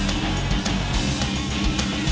jangan sampai bermain main